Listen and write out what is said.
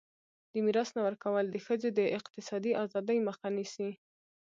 د میراث نه ورکول د ښځو د اقتصادي ازادۍ مخه نیسي.